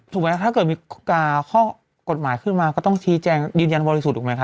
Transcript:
ถ้าเกิดมีข้อกฎหมายขึ้นมาก็ต้องชี้แจงยืนยันบริสุทธิ์ถูกไหมค